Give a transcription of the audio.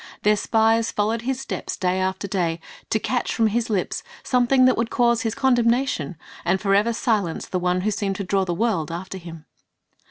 Their spies followed His steps day after day, to catch from His lips something that would cause His condemnation, and forever silence the One who seemed to draw the world after Him.